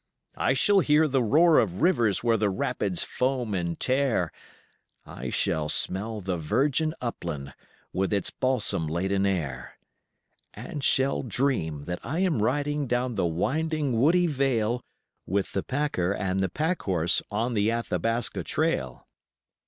I shall hear the roar of rivers where the rapids foam and tear, I shall smell the virgin upland with its balsam laden air, And shall dream that I am riding down the winding woody vale With the packer and the packhorse on the Athabasca Trail.